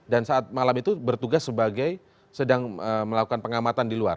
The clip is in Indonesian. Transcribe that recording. saat malam itu bertugas sebagai sedang melakukan pengamatan di luar